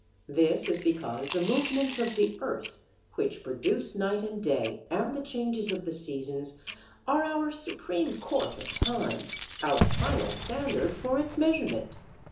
This is because the movements of the earth, which produce night and day and the changes of the seasons, are our supreme court of time, our final standard for its measurement.